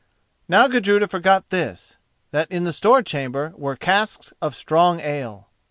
Now Gudruda forgot this, that in the store chamber were casks of strong ale.